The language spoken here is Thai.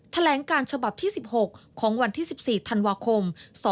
แถลงการฉบับที่๑๖ของวันที่๑๔ธันวาคม๒๕๖